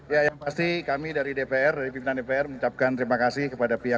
ya yang pasti kami dari dpr dari pimpinan dpr mengucapkan terima kasih kepada pihak